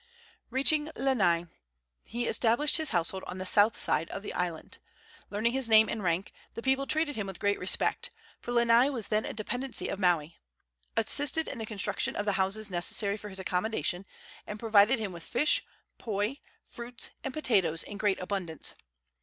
Reaching Lanai, he established his household on the south side of the island. Learning his name and rank, the people treated him with great respect for Lanai was then a dependency of Maui assisted in the construction of the houses necessary for his accommodation, and provided him with fish, poi, fruits and potatoes in great abundance.